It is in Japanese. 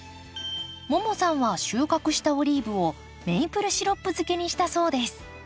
ももさんは収穫したオリーブをメイプルシロップ漬けにしたそうです